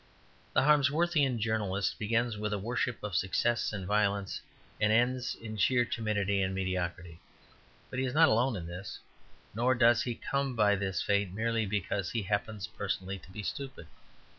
The Harmsworthian journalist begins with a worship of success and violence, and ends in sheer timidity and mediocrity. But he is not alone in this, nor does he come by this fate merely because he happens personally to be stupid.